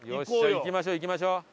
行きましょう行きましょう。